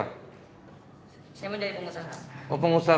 saya mau jadi pengusaha